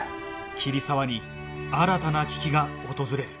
桐沢に新たな危機が訪れる